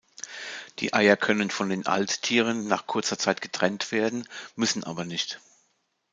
Die Eier können von den Alttieren nach kurzer Zeit getrennt werden, müssen aber nicht.